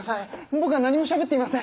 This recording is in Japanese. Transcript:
僕は何もしゃべっていません。